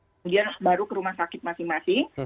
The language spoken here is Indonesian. kemudian baru ke rumah sakit masing masing